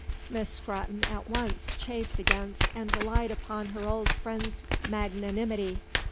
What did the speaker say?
Miss Scrotton at once chafed against and relied upon her old friend's magnanimity.